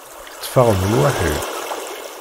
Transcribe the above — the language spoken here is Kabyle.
Tetteffaɣem lwaḥi?